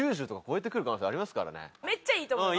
めっちゃいいと思います。